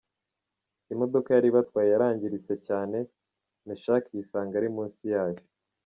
Imodoka yari ibatwaye yarangirtse cyane, Meshak yisanga ari munsi yayo.